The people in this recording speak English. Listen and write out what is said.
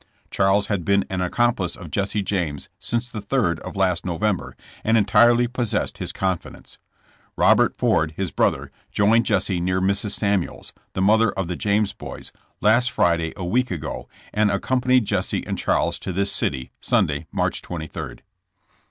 Charles had been an accomplice of Jesse James since the third of last November, and entirely possessed his confidence. Robert Ford, his brother, joined Jesse near Mrs. Samuels (the mother of the James boys), last Friday a week ago, and ac companied Jesse and Charles to this city Sunday, March 23. OUTI^AWED AND HUNTED.